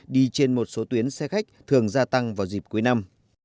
đi trên một số tuyến xe khách thường gia tăng vào dịp cuối năm